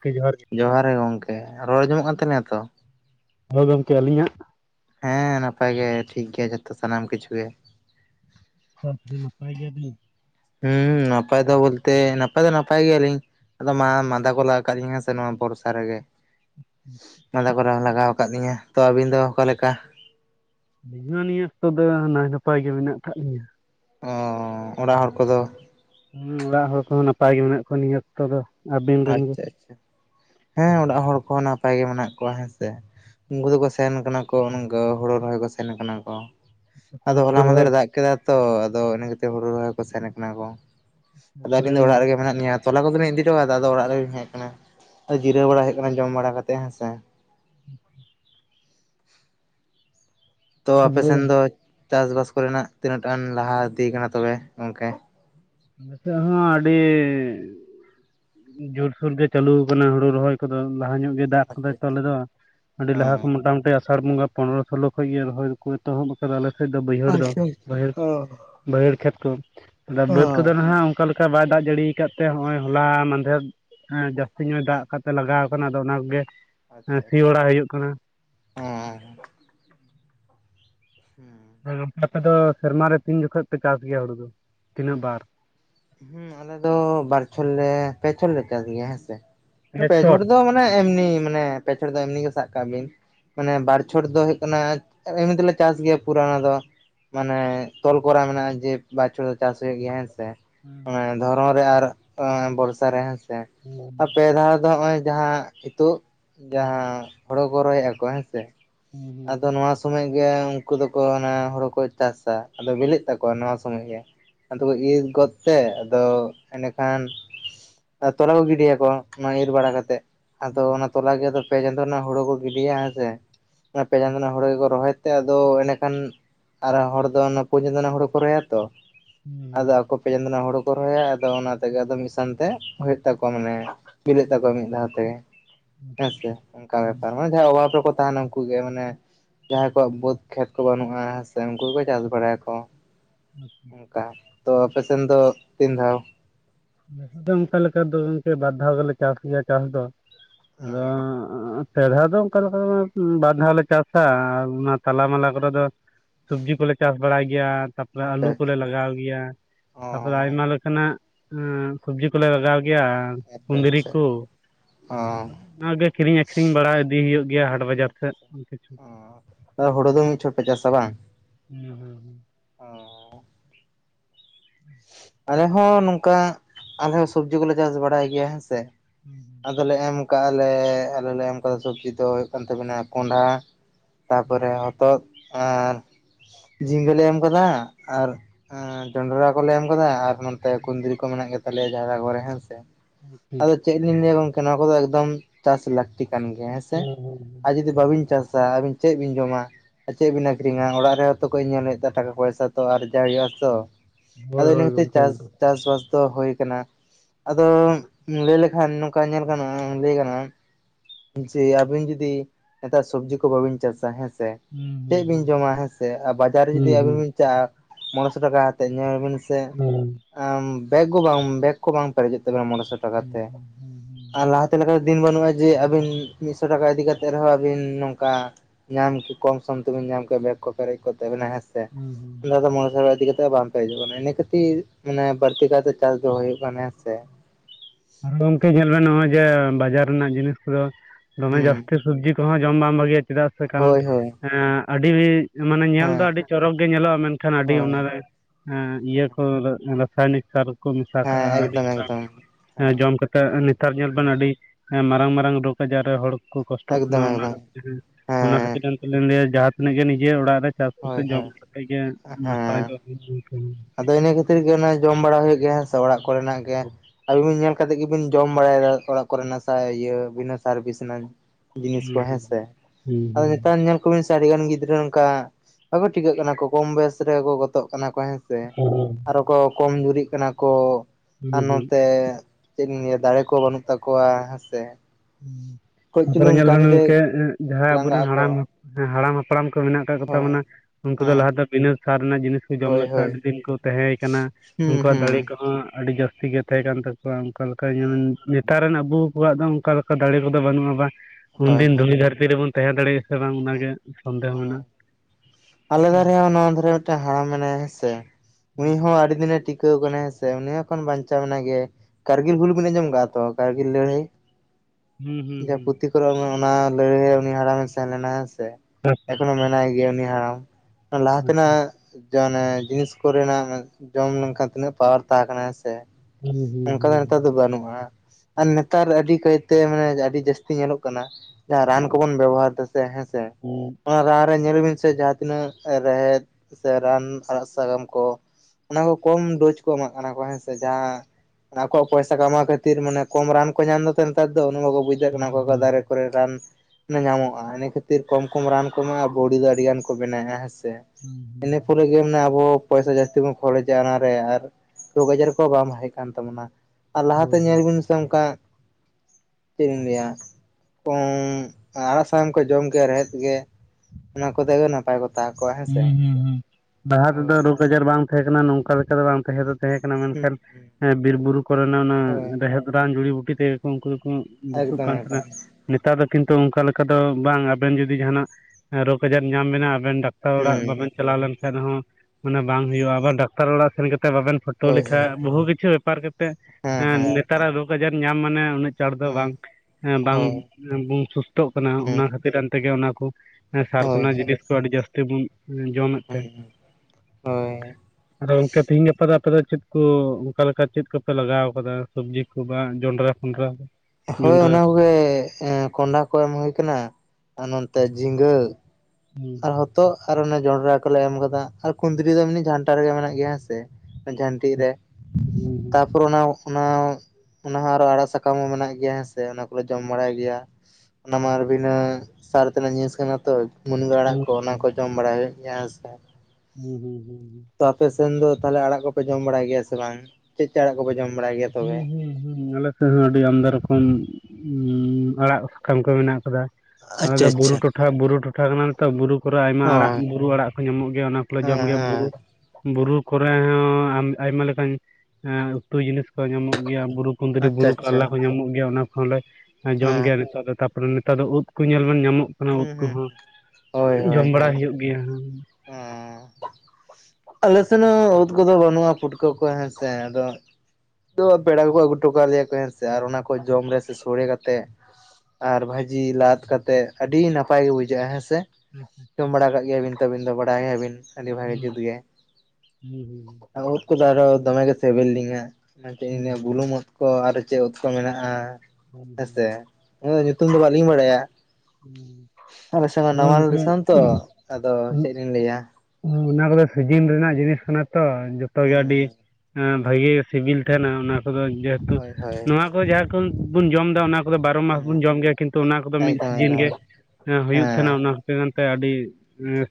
ᱜᱚᱝᱠᱮ ᱡᱚᱦᱟᱨ ᱜᱮ᱾ ᱡᱚᱦᱟᱨ ᱜᱮ ᱜᱚᱢᱠᱮ ᱨᱚᱲ ᱟᱡᱚᱢᱚᱜ ᱠᱟᱱ ᱛᱟᱞᱮᱧᱟ ᱛᱚ ᱦᱳᱭ ᱜᱚᱢᱠᱮ ᱟᱹᱞᱤᱧᱟᱜ ᱦᱮᱸ ᱱᱟᱯᱟᱭ ᱜᱮ ᱴᱷᱤᱠ ᱜᱮᱭᱟ ᱡᱷᱚᱛᱚ ᱥᱟᱱᱟᱢ ᱠᱤᱪᱷᱩ ᱜᱮ [unintelligible] ᱱᱟᱯᱟᱭ ᱜᱮᱭᱟ ᱵᱤᱱ? ᱦᱩᱸ ᱱᱟᱯᱟᱭ ᱫᱚ ᱵᱚᱞᱛᱮ ᱱᱟᱯᱟᱭ ᱫᱚ ᱱᱟᱯᱟᱭ ᱜᱮᱭᱟᱞᱤᱧ᱾ ᱟᱫᱚ ᱢᱟ ᱢᱟᱫᱟ ᱠᱚ ᱞᱟᱜᱟᱣ ᱟᱠᱟᱫᱤᱧᱟᱹ ᱦᱮ ᱥᱮ ᱱᱚᱣᱟ ᱵᱚᱨᱥᱟ ᱨᱮᱜᱮ᱾ [unintelligible] ᱢᱟᱫᱟ ᱠᱚ [unintelligible] ᱞᱟᱜᱟᱣ ᱟᱠᱟᱫ ᱞᱤᱧᱟᱹ ᱛᱚ ᱟᱵᱤᱱ ᱫᱚ ᱚᱠᱟᱞᱮᱠᱟ? ᱟᱹᱞᱤᱧ ᱦᱚᱸ ᱱᱤᱭᱟᱹ ᱚᱠᱛᱚ ᱫᱚ ᱱᱟᱭ ᱱᱟᱯᱟᱭ ᱜᱮ ᱢᱮᱱᱟᱜ ᱟᱠᱟᱫ ᱞᱤᱧᱟ᱾ ᱚ ᱚᱲᱟᱜ ᱦᱚᱲ ᱠᱚᱫᱚ ᱦᱩᱸ ᱚᱲᱟᱜ ᱦᱚᱲ ᱠᱚᱦᱚᱸ ᱱᱟᱯᱟᱭ ᱜᱮ ᱢᱮᱱᱟᱜ ᱠᱚᱣᱟ ᱱᱤᱭᱟᱹ ᱚᱠᱛᱚ ᱫᱚ᱾ ᱟᱹᱵᱤᱱ ᱨᱮᱱ ᱜᱮ ᱟᱪᱪᱷᱟ ᱟᱪᱪᱷᱟ᱾ [unintelligible] ᱦᱮᱸ ᱚᱲᱟᱜ ᱦᱚᱲ ᱠᱚᱦᱚᱸ ᱱᱟᱯᱟᱭ ᱜᱮ ᱢᱮᱱᱟᱜ ᱠᱚᱣᱟ ᱦᱮᱸ ᱥᱮ᱾ ᱩᱱᱠᱩ ᱫᱚᱠᱚ ᱥᱮᱱ ᱟᱠᱟᱱᱟ ᱠᱚ ᱱᱚᱝᱠᱟ ᱦᱳᱲᱳ ᱨᱚᱦᱚᱭ ᱠᱚ ᱥᱮᱱ ᱟᱠᱟᱱᱟ ᱠᱚ᱾ ᱟᱫᱚ ᱦᱩᱲᱩ ᱦᱚᱞᱟ ᱨᱚᱦᱚᱭ ᱢᱟᱸᱫᱷᱮᱨᱮ ᱫᱟᱜ ᱠᱮᱫᱟ ᱛᱚ ᱟᱫᱚ ᱤᱱᱟᱹ ᱠᱷᱟᱛᱤᱨ ᱦᱩᱲᱩ ᱨᱚᱦᱚᱭ ᱠᱚ ᱥᱮᱱ ᱟᱠᱟᱱᱟ ᱠᱚ᱾ ᱟᱫᱚ ᱛᱟᱦᱞᱮ ᱟᱹᱞᱤᱧ ᱫᱚ ᱚᱲᱟᱜ ᱨᱮᱜᱮ ᱢᱮᱱᱟᱜ ᱞᱤᱧᱟᱹ ᱛᱚᱞᱟ ᱠᱚᱫᱚ ᱞᱤᱧ ᱤᱫᱤ ᱦᱚᱴᱚ ᱠᱟᱫᱟ ᱟᱫᱚ ᱚᱲᱟᱜ ᱨᱮᱞᱤᱧ ᱦᱮᱡ ᱟᱠᱟᱱᱟ᱾ ᱟᱠᱟᱱᱟ᱾ ᱡᱤᱨᱟᱹᱣ ᱵᱟᱲᱟ ᱦᱩᱭᱩᱜ ᱠᱟᱱᱟ ᱡᱚᱢ ᱵᱟᱲᱟ ᱠᱟᱛᱮᱫ ᱦᱮᱸᱥᱮ᱾ ᱛᱚ ᱟᱯᱮ ᱦᱩᱲᱩ ᱥᱮᱱ ᱫᱚ ᱪᱟᱥᱵᱟᱥ ᱠᱚᱨᱮᱱᱟᱜ ᱛᱤᱱᱟᱹᱜ ᱜᱟᱱ ᱞᱟᱦᱟ ᱤᱫᱤᱭ ᱠᱟᱱᱟ ᱛᱚᱵᱮ ᱜᱚᱢᱠᱮ? ᱟᱞᱮ ᱥᱮᱫ ᱦᱚᱸ ᱟᱹᱰᱤ ᱟᱹᱰᱤ ᱡᱳᱨᱥᱳᱨ ᱜᱮ ᱪᱟᱹᱞᱩ ᱠᱟᱱᱟ ᱦᱩᱲᱩ ᱨᱚᱦᱚᱭ ᱠᱚᱫᱚ ᱞᱟᱦᱟ ᱧᱚᱜ ᱜᱮ ᱫᱟᱜ ᱟᱪᱪᱷᱟ ᱟᱠᱟᱫᱭ ᱛᱚ ᱟᱞᱮ ᱫᱚ ᱟᱹᱰᱤ ᱞᱟᱦᱟ ᱠᱷᱚᱱ ᱢᱚᱴᱟᱢᱩᱴᱤ ᱟᱥᱟᱲ ᱵᱚᱸᱜᱟ ᱯᱚᱱᱮᱨᱚ ᱥᱳᱞᱳ ᱠᱷᱚᱡ ᱜᱮ ᱨᱚᱦᱚᱭ ᱫᱚ ᱠᱚ ᱮᱛᱚᱦᱚᱵ ᱟᱠᱟᱫᱟ ᱟᱞᱮ ᱥᱮᱫ ᱫᱚ ᱵᱟᱹᱭᱦᱟᱹᱲ ᱫᱚ ᱟᱪᱪᱷᱟ ᱟᱪᱪᱷᱟ ᱵᱟᱹᱭᱦᱟᱹᱲ ᱟᱪᱪᱷᱟ ᱚ ᱵᱟᱹᱭᱦᱟᱹᱲ ᱠᱷᱮᱛ ᱠᱚ ᱟᱫᱚ ᱵᱟᱹᱫᱽ ᱫᱚ [unintelligible] ᱚᱱᱠᱟ ᱞᱮᱠᱟ ᱵᱟᱭ ᱫᱟᱜ ᱡᱟᱹᱲᱤ ᱟᱠᱟᱫ ᱛᱮ ᱱᱚᱜᱼᱚᱭ ᱦᱚᱞᱟ ᱢᱟᱦᱫᱮᱨ ᱡᱟᱹᱥᱛᱤ ᱧᱚᱜ ᱫᱟᱜ ᱦᱩᱸ ᱟᱠᱟᱫ ᱛᱮ ᱛᱮ ᱞᱟᱜᱟᱣ ᱟᱠᱟᱱᱟ ᱟᱫᱚ ᱚᱱᱟ ᱠᱚᱜᱮ ᱟᱪᱪᱷᱟ ᱥᱤ ᱟᱪᱪᱷᱟ ᱵᱟᱲᱟ ᱦᱩᱭᱩᱜ ᱠᱟᱱᱟ [unintelligible] ᱦᱮᱸ ᱦᱮᱸ᱾ ᱦᱩᱸ᱾ ᱦᱮᱸ ᱜᱚᱢᱠᱮ ᱟᱯᱮ ᱫᱚ ᱥᱮᱨᱢᱟ ᱨᱮ ᱛᱤᱱ ᱡᱚᱠᱷᱚᱡ ᱯᱮ ᱪᱟᱥ ᱜᱮᱭᱟ ᱦᱩᱲᱩ ᱫᱚ ᱛᱤᱱᱟᱹᱜ ᱵᱟᱨ? ᱦᱮᱸ ᱟᱞᱮ ᱫᱚ ᱵᱟᱨᱪᱷᱚᱴ ᱞᱮ ᱯᱮᱪᱷᱚᱴ ᱞᱮ ᱪᱟᱥ ᱜᱮᱭᱟ ᱦᱮᱸᱥᱮ᱾ ᱯᱮ ᱯᱮᱪᱷᱚᱴ ᱪᱷᱚᱴ ᱫᱚ ᱢᱟᱱᱮ ᱮᱢᱱᱤ ᱢᱟᱱᱮ ᱯᱮᱪᱷᱚᱴ ᱫᱚ ᱮᱢᱱᱤ ᱜᱮ ᱥᱟᱵ ᱠᱟᱜ ᱵᱤᱱ᱾ ᱢᱟᱱᱮ ᱵᱟᱨᱪᱷᱚᱴ ᱫᱚ ᱦᱩᱭᱩᱜ ᱠᱟᱱᱟ ᱮᱢᱱᱤ ᱛᱮᱞᱮ ᱪᱟᱥ ᱜᱮᱭᱟ ᱯᱩᱨᱟᱹ ᱚᱱᱟ ᱫᱚ ᱢᱟᱱᱮ ᱛᱚᱞ ᱠᱚᱨᱟ ᱢᱮᱱᱟᱜᱼᱟ ᱡᱮ ᱵᱟᱨᱪᱷᱚᱴ ᱫᱚ ᱪᱟᱥ ᱦᱩᱭᱩᱜ ᱜᱮᱭᱟ ᱦᱮᱸᱥᱮ᱾ ᱦᱮᱸ ᱫᱷᱚᱨᱚᱱ ᱨᱮ ᱟᱨ ᱵᱚᱨᱥᱟ ᱨᱮ ᱦᱮᱸᱥᱮ ᱟᱨ ᱯᱮ ᱫᱷᱟᱣ ᱫᱚ ᱱᱚᱜᱼᱚᱭ ᱡᱟᱦᱟᱸ ᱦᱤᱛᱚᱜ ᱡᱟᱦᱟᱸ ᱦᱳᱲᱚ ᱠᱚ ᱨᱚᱭᱮᱜ-ᱟ ᱠᱚ ᱦᱮᱸᱥᱮ, ᱟᱫᱚ ᱱᱚᱣᱟ ᱥᱚᱢᱚᱭ ᱜᱮ ᱩᱱᱠᱩ ᱫᱚᱠᱚ ᱚᱱᱟ ᱦᱳᱲᱳ ᱠᱚ ᱪᱟᱥᱟ ᱟᱫᱚ ᱵᱤᱞᱤᱜ ᱛᱟᱠᱚᱣᱟ ᱱᱚᱣᱟ ᱥᱚᱢᱚᱭ ᱜᱮ᱾ ᱟᱫᱚ ᱠᱚ ᱤᱨ ᱜᱚᱫ ᱛᱮ ᱟᱫᱚ ᱮᱸᱰᱮᱠᱷᱟᱱ ᱛᱚᱞᱟ ᱠᱚ ᱜᱤᱰᱤᱭᱟᱠᱚ᱾ ᱚᱱᱟ ᱤᱨ ᱵᱟᱲᱟ ᱠᱟᱛᱮᱜ ᱟᱫᱚ ᱚᱱᱟ ᱛᱚᱞᱟ ᱜᱮ ᱟᱫᱚ ᱯᱮ ᱪᱟᱸᱫᱳ ᱨᱮᱱᱟᱜ ᱦᱩᱲᱩ ᱠᱚ ᱜᱤᱰᱤᱭᱟ ᱦᱮᱸᱥᱮ᱾ ᱚᱱᱟ ᱯᱮᱪᱟᱸᱫ ᱱᱟ ᱦᱚᱲ ᱜᱮᱠᱚ ᱨᱚᱦᱚᱭᱮᱫ᱾ ᱛᱮ ᱟᱫᱚ ᱮᱸᱰᱮᱠᱷᱟᱱ ᱟᱨᱚ ᱦᱚᱲ ᱫᱚ ᱚᱱᱟ ᱯᱳᱱ ᱪᱟᱸᱫᱳ ᱨᱮᱱᱟᱜ ᱦᱳᱲᱳ ᱠᱚ ᱨᱚᱦᱚᱭᱟ ᱛᱚ, ᱟᱫᱚ ᱟᱠᱩ ᱛᱮᱜᱮ ᱢᱮᱱᱟ ᱦᱩᱲᱩᱫ- ᱨᱚᱦᱚᱭᱟ ᱟᱫᱚ ᱚᱱᱟ ᱛᱮᱜᱮ ᱟᱫᱚ ᱢᱤᱫ ᱥᱟᱶ ᱛᱮ ᱦᱳᱭᱳᱜ ᱛᱟᱠᱚᱣᱟ᱾ ᱢᱟᱱᱮ ᱵᱤᱞᱤᱜ ᱛᱟᱠᱚᱣᱟ ᱢᱤᱫ ᱫᱷᱟᱣ ᱛᱮ᱾ ᱦᱮᱸᱥᱮ ᱚᱱᱠᱟ ᱵᱮᱯᱟᱨ ᱢᱟᱱᱮ ᱡᱟᱦᱟᱸᱭ ᱚᱵᱷᱟᱵ ᱨᱮᱠᱚ ᱛᱟᱦᱮᱱᱟ ᱩᱱᱠᱩᱜ ᱜᱮ ᱢᱟᱱᱮ, ᱡᱟᱦᱟᱸᱭ ᱠᱚᱣᱟᱜ ᱵᱟᱹᱫᱽ ᱠᱷᱮᱛ ᱠᱚ ᱵᱟᱹᱱᱩᱜᱼᱟ ᱥᱮ ᱩᱱᱠᱩ ᱜᱮᱠᱚ ᱪᱟᱥ ᱵᱟᱲᱟᱭᱟᱠᱚ᱾ ᱚᱝᱠᱟ ᱛᱚ ᱟᱯᱮ ᱥᱮᱱ ᱫᱚ ᱛᱤᱱ ᱫᱷᱟᱣ? ᱚᱝᱠᱟ ᱞᱮᱠᱟ ᱫᱚ ᱜᱚᱝᱠᱮ ᱵᱟᱨ ᱫᱷᱟᱣ ᱜᱮᱞᱮ ᱪᱟᱥ ᱜᱮᱭᱟ ᱪᱟᱥ ᱫᱚ ᱟᱫᱚ ᱦᱩᱸ ᱯᱮ ᱫᱷᱟᱣ ᱫᱚ ᱚᱝᱠᱟ ᱞᱮᱠᱟ ᱵᱟᱝ ᱵᱟᱨ ᱫᱷᱟᱣ ᱞᱮ ᱪᱟᱥᱟ ᱟᱨ ᱚᱱᱟ ᱛᱟᱞᱟ ᱢᱟᱞᱟ ᱠᱚᱨᱮ ᱫᱚ ᱥᱚᱵᱽᱡᱤ ᱠᱚᱞᱮ ᱪᱟᱥ ᱵᱟᱲᱟᱭ ᱜᱮᱭᱟ, ᱛᱟᱯᱚᱨᱮ ᱟᱪᱪᱷᱟ ᱟᱹᱞᱩ ᱟᱪᱪᱷᱟ ᱠᱚᱞᱮ ᱞᱟᱜᱟᱣ ᱜᱮᱭᱟ, ᱚ ᱛᱟᱯᱚᱨᱮ ᱟᱭᱢᱟ ᱞᱮᱠᱟᱱᱟᱜ ᱦᱩᱸ ᱥᱚᱵᱡᱤ ᱠᱚᱞᱮ ᱞᱟᱜᱟᱣ ᱜᱮᱭᱟ ᱟᱨ ᱟᱪᱪᱷᱟ ᱠᱩᱸᱫᱽᱨᱤ ᱟᱪᱪᱷᱟ ᱠᱚ᱾ ᱚ ᱚᱱᱟᱜᱮ ᱠᱤᱨᱤᱧ ᱟᱹᱷᱨᱤᱧ ᱵᱟᱲᱟ ᱤᱫᱤ ᱦᱩᱭᱩᱜ ᱜᱮᱭᱟ ᱦᱟᱴ ᱵᱟᱡᱟᱨ ᱥᱮᱫ ᱠᱤᱪᱷᱩ ᱟᱨ ᱦᱲᱩ ᱫᱚ ᱢᱤᱫ ᱪᱷᱚᱴ ᱯᱮ ᱪᱟᱥᱟ ᱵᱟᱝ? ᱦᱩᱸ ᱦᱩᱸ᱾ ᱚ ᱾ ᱟᱞᱮ ᱦᱚᱸ ᱱᱚᱝᱠᱟ ᱟᱞᱮ ᱦᱚᱸ ᱥᱚᱵᱡᱤ ᱠᱚᱞᱮ ᱪᱟᱥ ᱵᱟᱲᱟᱭ ᱜᱮᱭᱟ ᱦᱮᱸ ᱥᱮ, [inaudible] ᱟᱫᱚᱞᱮ ᱮᱢ ᱠᱟᱜᱼᱟ ᱞᱮ, ᱟᱞᱮᱞᱮ ᱞᱮ ᱮᱢ ᱠᱟᱫᱟ ᱥᱚᱵᱽᱡᱤ ᱫᱚ ᱦᱳᱭᱳᱜ ᱠᱟᱱ ᱛᱟᱵᱮᱱᱟ ᱠᱚᱸᱰᱷᱟ, ᱦᱩᱸ ᱛᱟᱯᱚᱨᱮ ᱦᱚᱛᱚᱫ ᱟᱨ ᱡᱷᱤᱸᱜᱟᱹ ᱞᱮ ᱮᱢ ᱠᱟᱫᱟ ᱟᱨ ᱮᱸᱻ ᱡᱚᱱᱰᱨᱟ ᱠᱚ ᱞᱮ ᱮᱢ ᱠᱟᱫᱟ ᱟᱨ ᱱᱚᱱᱛᱮ ᱠᱩᱫᱽᱨᱤ ᱠᱚ ᱢᱮᱱᱟᱜ ᱜᱮᱛᱟᱞᱮᱭᱟ ᱡᱟᱦᱟ ᱫᱚ ᱮᱠᱵᱟᱨᱮ ᱦᱮᱸᱥᱮ ᱦᱩᱸ ᱾ ᱟᱫᱚ ᱦᱩᱸ ᱪᱮᱫ ᱞᱤᱧ ᱞᱟᱹᱭᱟ ᱜᱚᱝᱠᱮ ᱱᱚᱣᱟ ᱠᱚᱫᱚ ᱮᱠᱫᱚᱢ ᱪᱟᱥ ᱞᱟᱹᱠᱛᱤ ᱠᱟᱱ ᱜᱮᱭᱟ ᱦᱮᱸᱥᱮ ᱦᱩᱸ ᱟᱨ ᱡᱩᱫᱤ ᱵᱟᱵᱤᱱ ᱪᱟᱥᱟ ᱟᱹᱵᱤᱱ ᱪᱮᱫ ᱵᱤᱱ ᱡᱚᱢᱟ? ᱟᱨ ᱪᱮᱫ ᱵᱤᱱ ᱟᱠᱷᱨᱤᱧᱟ ᱚᱲᱟᱜ ᱨᱮᱦᱚᱸ ᱛᱚ ᱠᱟᱹᱧ ᱧᱮᱞᱮᱫᱟ ᱴᱟᱠᱟ ᱯᱚᱭᱥᱟ ᱛᱚ ᱟᱨᱡᱟᱣ ᱦᱩᱭᱩᱜ ᱟ ᱛᱚ᱾ ᱦᱳᱭ ᱟᱫᱚ ᱤᱱᱟᱹ ᱦᱳᱭ ᱠᱟᱛᱮ ᱜᱚᱝᱠᱮ ᱪᱟᱥ ᱮᱠᱫᱚᱢ ᱪᱟᱥ ᱵᱟᱥ- ᱛᱚ ᱦᱳᱭ ᱟᱠᱟᱱᱟ ᱟᱫᱚ ᱞᱟᱹᱭ ᱞᱮᱠᱷᱟᱱ ᱱᱚᱝᱠᱟ ᱧᱮᱞ ᱜᱟᱱᱚᱜᱼᱟ ᱞᱟᱹᱭ ᱜᱟᱱᱚᱜᱼᱟ ᱡᱮ ᱟᱵᱤᱱ ᱡᱩᱫᱤ ᱱᱮᱛᱟᱨ ᱥᱚᱵᱡᱤ ᱠᱚ ᱵᱟᱵᱤᱱ ᱪᱟᱥᱟ ᱦᱮᱸ ᱥᱮ ᱦᱩᱸ ᱦᱩᱸ ᱪᱮᱫ ᱵᱤᱱ ᱡᱚᱢᱟ ᱦᱮᱸᱥᱮ ᱟᱨ ᱵᱟᱡᱟᱨ ᱨᱮ ᱦᱩᱸ ᱡᱩᱫᱤ ᱦᱩᱸ ᱦᱩᱸ ᱟᱹᱵᱤᱱ ᱵᱤᱱ ᱪᱟᱞᱟᱜᱼᱟ ᱢᱚᱬᱮᱥᱚ ᱴᱟᱠᱟ ᱠᱟᱛᱮᱫ ᱧᱮᱞᱵᱤᱱ ᱥᱮ ᱦᱩᱸ ᱦᱩᱸ [unintelligible] ᱵᱮᱜᱽ ᱠᱚ ᱵᱟᱝ ᱵᱮᱜᱽ ᱠᱚ ᱵᱟᱝ ᱯᱮᱨᱮᱡᱚᱜ ᱛᱟᱵᱮᱱᱟ ᱢᱚᱬᱮ ᱥᱚ ᱴᱟᱠᱟᱛᱮ ᱦᱩᱸ ᱦᱩᱸ ᱦᱩᱸ ᱟᱨ ᱞᱟᱦᱟ ᱛᱮ ᱞᱮᱠᱟ ᱫᱤᱱ ᱵᱟᱹᱱᱩᱜᱼᱟ ᱡᱮ ᱟᱹᱵᱤᱱ ᱢᱤᱫᱥᱚ ᱴᱟᱠᱟ ᱤᱫᱤ ᱠᱟᱛᱮᱫ ᱨᱮᱦᱚᱸ ᱟᱹᱵᱤᱱ ᱱᱚᱝᱠᱟ ᱧᱟᱢ [unintelligible] ᱠᱚᱢᱥᱚᱢ ᱛᱮ ᱵᱮᱱ ᱧᱟᱢ ᱠᱮ ᱵᱮᱜ ᱠᱚ ᱯᱮᱨᱮᱡ ᱠᱚᱜ ᱛᱟᱵᱮᱱᱟ ᱦᱮᱸᱥᱮ ᱦᱩᱸ ᱦᱩᱸ ᱛᱮ ᱚᱱᱟᱫᱚ ᱢᱚᱬᱥᱚ ᱴᱟᱠᱟ ᱤᱫᱤ ᱠᱟᱛᱮᱜ ᱵᱟᱝ ᱯᱮᱨᱮ ᱡᱚᱜᱼᱟ᱾ ᱤᱱᱟᱹ ᱠᱷᱟᱹᱛᱤᱨ ᱢᱟᱱᱮ ᱵᱟᱹᱲᱛᱤ ᱠᱟᱭᱛᱮ ᱪᱟᱥ ᱫᱚ ᱦᱩᱭᱩᱜ ᱠᱟᱱᱟ ᱦᱮᱸ ᱥᱮ? ᱟᱫᱚ ᱜᱚᱝᱠᱮ ᱧᱮᱞ ᱵᱮᱱ ᱱᱚᱜᱚᱭ ᱡᱮ ᱵᱟᱡᱟᱨ ᱨᱮᱱᱟᱜ ᱡᱤᱱᱤᱥ ᱠᱚᱫᱚ ᱫᱚᱢᱮ ᱦᱩᱸ ᱡᱟᱹᱥᱛᱤ ᱥᱚᱵᱡᱤ ᱠᱚᱦᱚᱸ ᱡᱚᱢ ᱵᱟᱝ ᱵᱷᱟᱹᱜᱤᱭᱟ ᱪᱮᱫᱟᱜ ᱥᱮ ᱠᱟᱨᱚᱱ ᱦᱳᱭ ᱦᱳᱭ ᱟᱹᱰᱤ ᱢᱟᱱᱮ ᱧᱮᱞ ᱦᱮᱸ ᱫᱚ ᱟᱹᱰᱤ ᱪᱚᱨᱚᱠ ᱜᱮ ᱧᱮᱞᱚᱜᱼᱟ ᱢᱮᱱᱠᱷᱟᱱ ᱟᱹᱰᱤ ᱦᱳᱭ ᱚᱱᱟᱨᱮ ᱤᱭᱟᱹ ᱠᱚ ᱨᱟᱥᱟᱭᱱᱤᱠ ᱥᱟᱨ ᱠᱚ ᱢᱮᱥᱟ ᱦᱮᱸ ᱠᱟᱜ-ᱟ ᱟᱹᱰᱤ [unintelligible] ᱮᱠᱫᱚᱢ ᱮᱠᱫᱚᱢ [unintelligible] ᱦᱮᱸ ᱡᱚᱢ ᱠᱟᱛᱮ ᱱᱮᱛᱟᱨ ᱧᱮᱞ ᱦᱩᱸ ᱵᱮᱱ ᱟᱹᱰᱤ ᱢᱟᱨᱟᱝ ᱢᱟᱨᱟᱝ ᱨᱳᱜᱽ ᱟᱡ ᱡᱟᱦᱟᱸᱟᱨ ᱨᱮ ᱦᱚᱲ ᱠᱚ ᱠᱚᱥᱴᱚᱜ ᱠᱟᱱᱟ ᱮᱠᱫᱚᱢ ᱚᱱᱟ ᱮᱠᱫᱚᱢ ᱠᱷᱟᱹᱛᱤᱨ ᱚᱱᱟ ᱦᱮᱸ ᱠᱷᱟᱹᱛᱤᱨᱤᱧ ᱞᱟᱹᱭᱟ ᱡᱟᱦᱟᱸ ᱛᱤᱱᱟᱹᱜ ᱜᱮ ᱱᱤᱡᱮᱨ ᱚᱲᱟᱜ ᱨᱮ ᱪᱟᱥ ᱠᱟᱛᱮ ᱦᱳᱭ ᱦᱳᱭ ᱡᱚᱢ ᱦᱮᱸ ᱠᱟᱛᱮ ᱜᱮ ᱱᱟᱯᱟᱭ ᱫᱚ ᱦᱩᱭᱩᱜ ᱠᱟᱱᱟ᱾ ᱟᱫᱚ ᱤᱱᱟᱹ ᱠᱷᱟᱹᱛᱤᱨ ᱜᱮ ᱚᱱᱮ ᱡᱚᱢ ᱵᱟᱲᱟ ᱦᱩᱭᱩᱜ ᱜᱮᱭᱟ ᱦᱮᱸ ᱥᱮ, ᱚᱲᱟᱜ ᱠᱚᱨᱮᱱᱟᱜ ᱜᱮ ᱟᱵᱤᱱ ᱵᱤᱱ ᱧᱮᱞ ᱠᱟᱛᱮᱫ ᱜᱮᱵᱤᱱ ᱡᱚᱢ ᱵᱟᱲᱟᱭᱟ ᱚᱲᱟᱜ ᱠᱚᱨᱮ ᱱᱟᱥᱟ ᱤᱭᱟᱹ ᱵᱤᱱᱟᱹ ᱥᱟᱨ ᱵᱤᱥ ᱨᱮᱱᱟ᱾ ᱡᱤᱱᱤᱥ ᱠᱚ ᱦᱩᱸ ᱦᱮᱸᱥᱮ᱾ ᱦᱩᱸ ᱦᱩᱸ ᱟᱫᱚ ᱱᱮᱛᱟᱨ ᱧᱮᱞ ᱠᱚᱵᱤᱱ ᱟᱹᱰᱤ ᱜᱟᱱ ᱜᱤᱫᱽᱨᱟᱹ ᱚᱱᱠᱟ ᱵᱟᱠᱚ ᱴᱤᱠᱟᱹᱜ ᱠᱟᱱᱟ ᱠᱚ ᱠᱚᱢ ᱵᱚᱭᱮᱥ ᱨᱮᱜᱮ ᱠᱚ ᱜᱚᱛᱚᱜ ᱠᱟᱱᱟ ᱠᱚ ᱦᱮᱸᱥᱮ ᱛᱮ ᱦᱩᱸ ᱟᱨᱚ ᱠᱚ ᱠᱚᱢ ᱡᱩᱨᱤᱜ ᱠᱟᱱᱟ ᱠᱚ, ᱟᱨ ᱦᱩᱸ ᱱᱚᱛᱮ ᱪᱮᱫ ᱱᱤᱭᱟᱹ ᱫᱟᱲᱮ ᱠᱚ ᱵᱟᱹᱱᱩᱜ ᱛᱟᱠᱚᱣᱟ ᱦᱮᱸ ᱥᱮ? ᱦᱩᱸ ᱛᱟᱯᱚᱨᱮ ᱧᱮᱞ ᱵᱮᱱ ᱜᱚᱢᱠᱮ ᱡᱟᱦᱟᱸ ᱞᱟᱸᱜᱟᱜ ᱟᱵᱚᱨᱮᱱ ᱟᱠᱚ ᱦᱟᱲᱟᱢ ᱦᱮᱸ ᱦᱟᱲᱟᱢ ᱦᱟᱯᱲᱟᱢ ᱠᱚ ᱢᱮᱱᱟᱜ ᱟᱠᱟᱫ ᱠᱚᱛᱟ ᱵᱚᱱᱟ ᱦᱳᱭ ᱩᱱᱠᱩ ᱫᱚ ᱦᱮᱸ ᱞᱟᱦᱟ ᱫᱚ ᱵᱤᱱᱟᱹ ᱥᱟᱨ ᱨᱮᱱᱟᱜ ᱡᱤᱱᱤᱥ ᱠᱚ ᱡᱚᱢ ᱦᱳᱭ ᱞᱮᱫ ᱛᱮ ᱦᱳᱭ ᱟᱹᱰᱤ ᱫᱤᱱ ᱠᱚ ᱛᱟᱦᱮᱸ ᱠᱟᱱᱟ ᱦᱩᱸ ᱩᱱᱠᱩᱣᱟᱜ ᱦᱩᱸ ᱫᱟᱲᱮ ᱠᱚᱦᱚᱸ ᱟᱹᱰᱤ ᱡᱟᱹᱟᱥᱛᱤ ᱜᱮ ᱛᱟᱦᱮᱸ ᱠᱟᱱ ᱛᱟᱠᱚᱣᱟ᱾ ᱚᱱᱠᱟ ᱞᱮᱠᱟ ᱡᱮᱢ ᱱᱮᱛᱟᱨ ᱨᱮᱱ ᱟᱹᱵᱩ ᱠᱚᱣᱟᱜ ᱫᱚ ᱚᱱᱠᱟ ᱞᱮᱠᱟ ᱫᱟᱲᱮ ᱠᱚᱫᱚ ᱵᱟᱹᱱᱩᱜ-ᱟ ᱦᱳᱭ ᱩᱱᱫᱤᱱ ᱦᱳᱭ ᱫᱷᱩᱲᱤ ᱫᱷᱟᱨᱤ ᱛᱤ ᱨᱮᱵᱚᱱ ᱛᱟᱦᱮᱸ ᱫᱟᱲᱮᱭᱟᱜᱼᱟ ᱥᱮ ᱵᱟᱝ ᱦᱳᱭ ᱚᱱᱟᱜᱮ ᱥᱚᱱᱫᱮᱦᱚ ᱦᱳᱭ ᱢᱮᱱᱟᱜᱼᱟ᱾ ᱟᱞᱮ ᱫᱷᱟᱨᱮ ᱦᱚᱸ ᱱᱚᱣᱟ ᱫᱷᱟᱨᱮ ᱢᱤᱫᱴᱟᱝ ᱦᱟᱲᱟᱢ ᱢᱮᱱᱟᱭᱟ ᱦᱮᱸᱥ ᱩᱱᱤ ᱦᱚᱸ ᱟᱹᱰᱤ ᱫᱤᱱᱮ ᱴᱤᱠᱟᱹᱣ ᱟᱠᱟᱱᱟ ᱦᱮᱸ ᱥᱮ᱾ ᱥᱮ ᱩᱱᱤ ᱦᱚᱸ ᱠᱷᱚᱱᱚᱱ ᱵᱟᱧᱪᱟᱣ ᱮᱱᱟ ᱜᱮ ᱠᱟᱨᱜᱤᱞ ᱦᱩᱞᱩ ᱵᱤᱱ ᱟᱸᱡᱚᱢ ᱠᱟᱜ-ᱟ ᱛᱚ ᱠᱟᱨᱜᱤᱞ ᱞᱟᱹᱲᱦᱟᱹᱭ? ᱦᱩᱸ ᱦᱩᱸ ᱦᱩᱸ ᱯᱩᱛᱷᱤ ᱠᱚᱨᱮ ᱢᱮᱱᱟ ᱞᱟᱹᱲᱦᱟᱹᱭ ᱩᱱᱤ ᱦᱟᱲᱟᱢᱮ ᱥᱮᱱ ᱞᱮᱱᱟ ᱦᱮᱸ ᱥᱮ᱾ ᱟᱪᱪᱷᱟ ᱮᱠᱷᱚᱱᱳ ᱢᱮᱱᱟᱭ ᱜᱮᱭᱟ ᱩᱱᱤ ᱦᱟᱲᱟᱢ ᱞᱟᱦᱟ ᱟᱪᱪᱷᱟ ᱛᱮᱱᱟᱜ ᱡᱚᱱᱣ ᱡᱤᱱᱤᱥ ᱠᱚᱨᱮᱱᱟᱜ ᱡᱚᱢ ᱞᱮᱱᱠᱷᱟᱱ ᱛᱤᱱᱟᱹᱜ ᱯᱟᱣᱟᱨ ᱛᱟᱦᱮᱸ ᱠᱟᱱᱟ ᱦᱮᱸ ᱥᱮ ᱦᱩᱸ ᱦᱩᱸ ᱦᱩᱸ ᱚᱱᱠᱟ ᱫᱚ ᱦᱩᱸ ᱱᱮᱛᱟᱨ ᱫᱚ ᱵᱟᱹᱱᱩᱜᱼᱟ᱾ ᱟᱨ ᱱᱮᱛᱟᱨ ᱟᱹᱰᱤ ᱠᱟᱭᱛᱮ ᱢᱟᱱᱮ ᱟᱹᱰᱤ ᱡᱟᱹᱥᱛᱤ ᱧᱮᱞᱚᱜ ᱠᱟᱱᱟ, ᱡᱟᱦᱟᱸ ᱨᱟᱱ ᱠᱚᱵᱚᱱ ᱵᱮᱵᱚᱦᱟᱨ ᱫᱮ ᱥᱮ ᱦᱮᱸ ᱥᱮ ᱚᱱᱟ ᱨᱟᱱ ᱨᱮ ᱧᱮᱞᱵᱤᱱ ᱥᱮ ᱡᱟᱦᱟᱸ ᱛᱤᱱᱟᱹᱜ ᱨᱮᱦᱮᱫ ᱥᱮ ᱨᱟᱱ ᱟᱲᱟᱜ ᱥᱟᱠᱟᱢ ᱠᱚ ᱚᱱᱟ ᱠᱚ ᱠᱚᱢ ᱰᱳᱡᱽ ᱠᱚ ᱮᱢᱟᱜ ᱠᱟᱱᱟ ᱠᱚ ᱦᱮᱸᱥᱮ ᱡᱟᱦᱟᱸ ᱚᱱᱟ ᱟᱠᱚᱣᱟᱜ ᱯᱚᱭᱥᱟ ᱠᱟᱢᱟᱣ ᱠᱷᱟᱹᱛᱤᱨ ᱢᱟᱱᱮ ᱠᱚᱢ ᱨᱟᱱ ᱠᱚ ᱧᱟᱢ ᱮᱫᱟᱚ ᱱᱮᱛᱟᱨ ᱫᱚ ᱵᱟ ᱵᱩᱡ ᱦᱩᱸ ᱚᱠᱟ ᱦᱩᱸ ᱠᱚ ᱦᱩᱸ ᱫᱟᱨᱮ ᱠᱚᱨᱮ ᱨᱟᱱ ᱧᱟᱢᱚᱜ-ᱟ ᱤᱱᱟᱹ ᱠᱷᱟᱹᱛᱤᱨ ᱠᱚᱢ ᱠᱚᱢ ᱨᱟᱱ ᱠᱚ ᱮᱢᱚᱜ-ᱟ ᱵᱚᱰᱤ ᱜᱟᱨ ᱟᱹᱰᱤ ᱜᱟᱱ ᱠᱚ ᱵᱮᱱᱟᱣᱼᱟ ᱦᱮᱸᱥᱮ ᱤᱱᱟᱹ ᱯᱚᱨᱮ ᱤᱭᱟᱹ ᱟᱵᱚ ᱯᱚᱭᱥᱟ ᱡᱟᱹᱥᱛᱤ ᱵᱚᱱ ᱠᱷᱚᱨᱚᱪᱟ ᱚᱱᱟᱨᱮ ᱟᱨ ᱨᱳᱜᱽ ᱟᱡᱟᱨ ᱠᱚ ᱵᱟᱝ ᱵᱷᱟᱜᱮᱜ ᱠᱟᱱ ᱛᱟᱵᱚᱱᱟ᱾ ᱟᱨ ᱞᱟᱦᱟᱛᱮ ᱦᱳᱭ ᱦᱳᱭ ᱧᱮᱞ ᱵᱤᱱ ᱥᱮ ᱚᱱᱠᱟ ᱪᱮᱫ ᱤᱧ ᱞᱟᱹᱭᱟ ᱯᱚᱝ ᱟᱲᱟᱜ ᱥᱟᱦᱢ ᱠᱚ ᱡᱚᱢ ᱠᱮᱭᱟ ᱨᱮᱦᱮᱫ ᱜᱮ ᱚᱱᱟ ᱠᱚᱛᱮᱜᱮ ᱱᱟᱯᱟᱭ ᱠᱚᱛᱟ ᱠᱚᱜᱣᱟ ᱦᱮᱸ ᱦᱩᱸ ᱥᱮ? ᱦᱩᱸ ᱦᱩᱸ ᱞᱟᱦᱟ ᱦᱳᱭ ᱛᱮᱫᱚ ᱨᱳᱜᱽ ᱟᱡᱟᱨ ᱵᱟᱝ ᱛᱟᱦᱮᱸ ᱠᱟᱱᱟ ᱱᱚᱝᱠᱟ ᱞᱮᱠᱟ ᱫᱚ ᱵᱟᱝ ᱛᱟᱦᱮᱸ ᱫᱚ ᱛᱟᱦᱮᱸ ᱠᱟᱱᱟ ᱦᱩᱸ ᱢᱮᱱᱠᱷᱟᱱ ᱦᱩᱸ ᱮᱸ ᱵᱤᱨ ᱵᱩᱨᱩ ᱠᱚᱨᱮᱱᱟᱜ ᱚᱱᱟ ᱦᱳᱭ ᱨᱮᱦᱮᱫ ᱨᱟᱱ ᱡᱩᱲᱤ ᱵᱩᱴᱤ ᱛᱮᱜᱮ ᱩᱱᱠᱩ ᱫᱚᱠᱚ ᱵᱮᱥᱚᱜ ᱮᱠᱫᱚᱢ ᱠᱟᱱ ᱛᱟᱦᱮᱱᱟ᱾ ᱮᱠᱫᱚᱢ ᱱᱮᱛᱟᱨ ᱫᱚ ᱠᱤᱱᱛᱩ ᱚᱱᱠᱟ ᱞᱮᱠᱟ ᱫᱚ ᱵᱟᱝ ᱟᱵᱮᱱ ᱡᱩᱫᱤ ᱡᱟᱦᱟᱱᱟᱜ ᱨᱳᱜᱽ ᱟᱡᱟᱨ ᱧᱟᱢ ᱵᱮᱱᱟ ᱟᱵᱮᱱ ᱰᱟᱠ ᱛᱟᱨ ᱚᱲᱟᱜ ᱦᱩᱸ ᱵᱟᱵᱮᱱ ᱪᱟᱞᱟᱣ ᱞᱮᱱᱠᱟᱱᱡ ᱦᱚᱸ ᱢᱟᱱᱮ ᱵᱟᱝ ᱦᱩᱭᱩᱜ-ᱟ, ᱟᱵᱟᱨ ᱰᱟᱠᱛᱟᱨ ᱚᱲᱟᱜ ᱥᱮᱱ ᱠᱟᱛᱮ ᱵᱟᱵᱮᱱ ᱯᱷᱷᱳᱴᱳ ᱦᱳᱭ ᱞᱮᱠᱷᱟ ᱦᱳᱭ ᱵᱚᱦᱩ ᱠᱤᱪᱷᱩ ᱵᱮᱯᱟᱨ ᱠᱟᱛᱮ ᱦᱮᱸ ᱦᱮᱸ ᱱᱮᱛᱟᱨᱟᱜ ᱨᱳᱜᱽ ᱟᱡᱟᱨ ᱧᱟᱢ ᱢᱟᱱᱮ ᱩᱱᱟᱹᱜ ᱪᱟᱲ ᱫᱚ ᱦᱩᱸ ᱵᱟᱝ, ᱵᱟᱝ ᱦᱳᱭ ᱥᱩᱥᱛᱷᱚᱜ ᱠᱟᱱᱟ ᱚᱱᱟ ᱦᱩᱸ ᱠᱷᱟᱹᱛᱤᱨ ᱮᱱᱛᱮ ᱜᱮ ᱚᱱᱟ ᱠᱚ ᱥᱟᱨ ᱦᱳᱭ ᱠᱚᱱᱟᱜ ᱦᱮᱸ ᱡᱤᱱᱤᱥ ᱠᱚ ᱟᱹᱰᱤ ᱡᱟᱹᱥᱛᱤ ᱵᱚᱱ ᱡᱚᱢᱮᱫ ᱛᱮ, ᱦᱩᱸ ᱦᱳᱭ ᱟᱨ ᱛᱮᱦᱤᱧ ᱜᱟᱯᱟ ᱟᱯᱮ ᱪᱮᱫ ᱠᱚ ᱚᱱᱠᱟ ᱞᱮᱠᱟ ᱪᱮᱫ ᱠᱚᱯᱮ ᱞᱟᱜᱟᱣ ᱟᱠᱟᱫᱟ ᱥᱚᱵᱡᱤ ᱠᱩᱵᱟᱝ ᱡᱚᱸᱰᱨᱟ ᱯᱷᱚᱸᱰᱨᱟ᱾ ᱦᱳᱭ ᱚᱱᱟ ᱠᱚᱜᱮ ᱠᱚᱸᱰᱟ ᱠᱚ ᱮᱢ ᱦᱳᱭ ᱟᱠᱟᱱᱟ, ᱟᱨ ᱱᱚᱛᱮ ᱡᱷᱤᱸᱜᱟᱹ ᱦᱩᱸ ᱦᱚᱛᱚᱜ ᱟᱨ ᱚᱱᱟ ᱡᱚᱱᱰᱨᱟ ᱠᱚᱞᱮ ᱮᱢ ᱟᱠᱟᱫᱟ, ᱟᱨ ᱠᱩᱫᱽᱨᱤ ᱫᱚ ᱮᱢᱱᱤ ᱡᱷᱟᱱᱴᱟ ᱨᱮᱜᱮ ᱢᱮᱱᱟᱜ ᱜᱮᱭᱟ ᱦᱮᱸ ᱥᱮ᱾ ᱡᱷᱟᱹᱱᱴᱤ ᱨᱮ᱾ ᱛᱟᱯᱚᱨ ᱚᱱᱟ ᱚᱱᱟ ᱚᱱᱟ ᱦᱚᱸ ᱟᱨᱚ ᱟᱲᱟᱜ ᱥᱟᱠᱟᱢ ᱦᱚᱸ ᱢᱮᱱᱟᱜ ᱜᱮᱭᱟ ᱦᱮᱸᱥᱮ ᱚᱱᱟ ᱠᱚᱞᱮ ᱡᱚᱢ ᱵᱟᱲᱟᱭ ᱜᱮᱭᱟ᱾ ᱚᱱᱟ ᱢᱟ ᱟᱨ ᱵᱤᱱᱟᱹ ᱥᱟᱨ ᱛᱮᱱᱟᱜ ᱡᱤᱱᱤᱥ ᱠᱟᱱᱟ ᱛᱚ ᱢᱩᱱᱜᱟᱹ ᱟᱲᱟᱜ ᱦᱩᱸ ᱠᱚ ᱚᱱᱟ ᱠᱚ ᱡᱚᱢ ᱵᱟᱲᱟᱭ ᱦᱩᱭᱩᱜ ᱜᱮᱭᱟ ᱦᱮᱸ ᱥᱮ᱾ ᱦᱩᱸ ᱦᱩᱸ ᱦᱩᱸ ᱦᱩᱸ᱾ ᱛᱚ ᱟᱯᱮᱥᱮᱱ ᱫᱚ ᱛᱟᱦᱚᱞᱮ ᱟᱲᱟᱜ ᱠᱚᱯᱮ ᱡᱚᱢ ᱵᱟᱲᱟᱭ ᱜᱮᱭᱟ ᱥᱮ ᱵᱟᱝ ᱪᱮᱫ ᱪᱮᱫ ᱟᱲᱟᱜ ᱠᱚᱯᱮ ᱡᱚᱢ ᱵᱟᱲᱟᱭ ᱜᱮᱭᱟ ᱛᱚᱵᱮ? ᱦᱮᱸ ᱦᱮᱸ ᱟᱹᱰᱤ ᱟᱢᱫᱟ ᱨᱚᱠᱚᱢ ᱟᱲᱟᱜ ᱥᱟᱠᱟᱢ ᱠᱚ ᱢᱮᱱᱟᱜ ᱟᱠᱟᱫᱟ᱾ ᱟᱪᱪᱷᱟ ᱟᱞᱮᱫᱚ ᱵᱩᱨᱩ ᱟᱪᱪᱷᱟ ᱴᱚᱴᱷᱟ ᱵᱩᱨᱩ ᱴᱚᱴᱷᱟ ᱠᱟᱱᱟᱞᱮ ᱛᱚ ᱵᱩᱨᱩ ᱠᱚᱨᱮ ᱟᱭᱢᱟ ᱚ ᱟᱲᱟᱜ ᱵᱩᱨᱩ ᱟᱲᱟᱜ ᱠᱚ ᱧᱟᱢᱚᱜ ᱜᱮᱭᱟ, ᱚᱱᱟ ᱞᱮ ᱡᱚᱢ ᱦᱮᱸ ᱜᱮᱭᱟ ᱵᱩᱨᱩ ᱦᱮᱸ ᱵᱩᱨᱩ ᱠᱚᱨᱮ ᱦᱚᱸ ᱟᱭᱢᱟ ᱞᱮᱠᱟᱱ ᱩᱛᱩ ᱡᱤᱱᱤᱥ ᱠᱚ ᱧᱟᱢᱚᱜ ᱜᱮᱭᱟ ᱵᱩᱨᱩ ᱠᱩᱸᱫᱽᱨᱤ ᱟᱪᱪᱷᱟ ᱵᱩᱨᱩ ᱟᱪᱪᱷᱟ ᱠᱟᱞᱞᱟ ᱠᱚ ᱦᱮᱸ ᱧᱟᱢᱚᱜ ᱜᱮᱭᱟ, ᱚᱱᱟ ᱠᱚᱞᱮ ᱡᱚᱢ ᱜᱮᱭᱟ ᱱᱤᱛᱚᱜ ᱫᱚ᱾ ᱱᱮᱛᱟᱨ ᱫᱚ ᱩᱫ ᱠᱚ ᱧᱮᱞ ᱵᱮᱱ ᱧᱟᱢᱚᱜ ᱠᱟᱱᱟ, ᱩᱫ ᱦᱩᱸ ᱦᱩᱸ ᱠᱚᱦᱚᱸ ᱦᱳᱭ ᱦᱳᱭ ᱡᱚᱢ ᱵᱟᱲᱟ ᱦᱳᱭ ᱦᱩᱭᱩᱜ ᱜᱮᱭᱟ᱾ ᱚ [inaudible] ᱟᱞᱮ ᱥᱮᱱ ᱦᱚᱸ ᱩᱫ ᱠᱚᱫᱚ ᱵᱟᱹᱱᱩᱜᱼᱟ ᱯᱩᱴᱠᱟᱹ ᱠᱚ ᱦᱮᱸ ᱥᱮ, ᱟᱫᱚ ᱫᱚ ᱯᱮᱲᱟ ᱠᱚᱠᱚ ᱟᱹᱜᱩ ᱦᱚᱴᱚ ᱠᱟᱫ ᱞᱮᱭᱟ ᱠᱚ ᱦᱮᱸ ᱥᱮ ᱟᱨ ᱚᱱᱟ ᱠᱚ ᱡᱚᱢ ᱨᱮᱥᱮ ᱥᱚᱲᱮ ᱠᱟᱛᱮᱫ ᱟᱨ ᱵᱷᱟᱹᱡᱤ ᱞᱟᱫ ᱠᱟᱛᱮᱫ ᱟᱹᱰᱤ ᱱᱟᱯᱟᱭ ᱜᱮ ᱵᱩᱡᱷᱟᱜᱼᱟ ᱦᱮᱸᱥᱮ [inaudible] ᱡᱚᱢ ᱵᱟᱲᱟ ᱠᱟᱜ ᱜᱮᱭᱟᱵᱤᱱ ᱛᱚ ᱟᱵᱤᱱ ᱫᱚ ᱵᱟᱲᱟᱭ ᱜᱮᱭᱟᱵᱤᱱ ᱟᱹᱰᱤ ᱵᱷᱟᱜᱤ ᱦᱩᱸ ᱡᱩᱛ ᱜᱮ [inaudible] ᱩᱫ ᱠᱚᱫᱚ ᱟᱨᱚ ᱫᱚᱢᱮᱜᱮ ᱥᱤᱵᱤᱞ ᱞᱤᱧᱟ ᱟᱨ ᱪᱮᱫ ᱤᱧ ᱞᱟᱹᱭᱟ ᱦᱩᱸ ᱵᱩᱞᱩᱝ ᱩᱫ ᱠᱚ ᱟᱨ ᱪᱮᱫ ᱩᱫ ᱠᱚ ᱢᱮᱱᱟᱜᱼᱟ ᱦᱩᱸ [inaudible] ᱦᱮᱸᱥᱮ ᱦᱩᱸ [unintelligible] ᱧᱩᱛᱩᱢ ᱫᱚ ᱵᱟᱞᱤᱧ ᱵᱟᱲᱟᱭᱟ [unintelligible] ᱟᱞᱮ ᱥᱮᱫᱢᱟ ᱱᱟᱢᱟᱞ ᱦᱩᱸ ᱦᱩᱸ ᱦᱩᱸ ᱦᱳᱭ ᱜᱚᱝᱠᱮ ᱫᱤᱥᱚᱢ ᱛᱚ ᱟᱫᱚ ᱪᱮᱫ ᱞᱤᱧ ᱞᱟᱹᱭᱟ ᱚᱱᱟ ᱠᱚᱫᱚ ᱥᱤᱡᱤᱱ ᱨᱮᱱᱟᱜ ᱡᱤᱱᱤᱥ ᱠᱟᱱᱟ ᱛᱚ ᱡᱚᱛᱚ ᱜᱮ ᱦᱩᱸ ᱟᱹᱰᱤ ᱦᱟᱸ ᱵᱷᱟᱜᱤ ᱥᱤᱵᱤᱞ ᱛᱟᱦᱮᱸᱱᱟ ᱚᱱᱟ ᱠᱚᱫᱚ ᱦᱩᱸ ᱡᱮᱦᱮᱛᱩ ᱦᱳᱭ ᱦᱳᱭ ᱱᱚᱣᱟ ᱠᱚ ᱡᱟᱦᱟᱸ ᱠᱚᱵᱚᱱ ᱵᱚᱱ ᱡᱚᱢ ᱮᱫᱟ ᱚᱱᱟ ᱯᱩᱨᱟᱹ ᱵᱟᱨᱚ ᱢᱟᱥ ᱦᱩᱸ ᱵᱚᱱ ᱡᱚᱢ ᱜᱮᱭᱟ ᱠᱤᱱᱛᱩ ᱚᱱᱟ ᱠᱚᱫᱚ ᱢᱤᱫ ᱮᱠᱫᱚᱢ ᱥᱤᱡᱤᱱ ᱮᱠᱫᱚᱢ ᱜᱮ [inaudible] ᱦᱩᱭᱩᱜ ᱛᱟᱦᱮᱸᱱᱟ ᱦᱮᱸ ᱚᱱᱟ ᱛᱟᱦᱮᱱ ᱛᱮ ᱟᱹᱰᱤ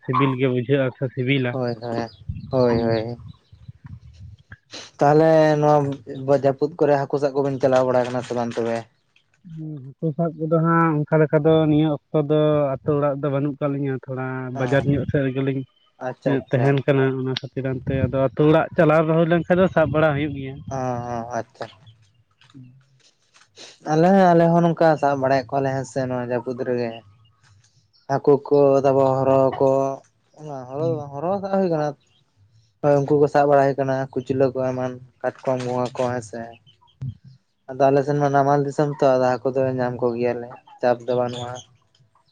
ᱥᱤᱵᱤᱞ ᱜᱮ ᱵᱩᱡᱷᱟᱹᱜᱼᱟ ᱥᱮ ᱥᱤᱵᱤᱞᱟ ᱦᱳᱭ ᱦᱳᱭ [inaudible] ᱦᱳᱭ ᱦᱩᱸ ᱦᱳᱭ [inaudible] ᱛᱟᱦᱚᱞᱮ ᱱᱚᱣᱟ ᱡᱟᱹᱯᱩᱫ ᱠᱚᱨᱮ ᱦᱟᱹᱠᱩ ᱥᱟᱵ ᱠᱚᱵᱤᱱ ᱪᱟᱞᱟᱣ ᱵᱟᱲᱟ ᱟᱠᱟᱱᱟ ᱥᱮ ᱵᱟᱝ ᱛᱚᱵᱮ [inaudible] ᱦᱟᱹᱠᱩ ᱥᱟᱵ ᱠᱚᱫᱚ ᱦᱟᱸᱜ ᱚᱱᱠᱟ ᱞᱮᱠᱟ ᱫᱚ ᱱᱤᱭᱟᱹ ᱚᱠᱛᱚ ᱫᱚ ᱟᱹᱛᱩ ᱚᱲᱟᱜ ᱨᱮᱫᱚ ᱵᱟᱹᱱᱩᱜ ᱟᱠᱟᱫ ᱞᱤᱧᱟᱹ ᱛᱷᱚᱲᱟ ᱵᱟᱡᱟᱨ ᱧᱚᱜ ᱥᱮᱫ ᱨᱮᱜᱮ ᱞᱤᱧ ᱟᱪᱪᱷᱟ [inaudible] ᱟᱪᱪᱷᱟ ᱛᱟᱦᱮᱱ ᱠᱟᱱᱟ ᱚᱱᱟ ᱠᱷᱟᱹᱛᱤᱨ ᱚᱱᱛᱮ ᱟᱫᱚ ᱟᱹᱛᱩ ᱚᱲᱟᱜ ᱪᱟᱞᱟᱣ ᱨᱩᱣᱟᱹᱲ ᱞᱮᱱᱠᱷᱟᱱ ᱫᱚ ᱥᱟᱵ ᱵᱟᱲᱟ ᱦᱩᱭᱩᱜ ᱜᱮᱭᱟ ᱚᱸᱦᱚᱸ ᱟᱪᱪᱷᱟ [inaudible] ᱟᱞᱮ ᱟᱞᱮ ᱦᱚᱸ ᱱᱚᱝᱠᱟ ᱥᱟᱵ ᱵᱟᱲᱟᱭᱮᱫ ᱠᱚᱣᱟᱞᱮ ᱦᱮᱸᱥᱮ ᱱᱚᱣᱟ ᱡᱟᱹᱯᱩᱫ ᱨᱮᱜᱮ ᱦᱟᱹᱠᱩ ᱠᱚ ᱛᱟᱵᱚ ᱦᱚᱨᱚ ᱠᱚ ᱚᱱᱟ ᱦᱚᱨᱚ ᱫᱚ ᱵᱟᱝ ᱦᱚᱨᱚ ᱥᱟᱵ ᱦᱩᱭ ᱟᱠᱟᱱᱟ [inaudible] ᱩᱱᱠᱩ ᱠᱚ ᱥᱟᱵ ᱵᱟᱲᱟ ᱦᱩᱭ ᱟᱠᱟᱱᱟ ᱠᱩᱪᱞᱟᱹ ᱠᱚ ᱮᱢᱟᱱ ᱠᱟᱴᱠᱚᱢ ᱜᱚᱸᱜᱷᱟ ᱠᱚ ᱦᱮᱸᱥᱮ ᱥᱮ [inaudible] ᱟᱫᱚ ᱟᱞᱮ ᱥᱮᱱ ᱢᱟ ᱱᱟᱢᱟᱞ ᱫᱤᱥᱚᱢ ᱛᱚ ᱟᱫᱚ ᱦᱟᱹᱠᱩ ᱫᱚᱞᱮ ᱦᱩᱸ ᱧᱟᱢ ᱠᱚᱜᱮᱭᱟᱞᱮ ᱪᱟᱥ ᱫᱚ ᱦᱩᱸ ᱵᱟᱹᱱᱩᱜᱼᱟ